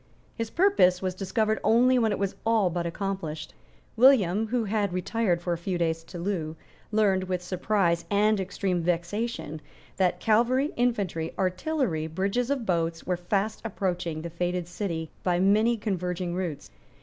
His purpose was discovered only when it was all but accomplished. William, who had retired for a few days to Loo, learned, with surprise and extreme vexation, that cavalry, infantry, artillery, bridges of boats, were fast approaching the fated city by many converging routes.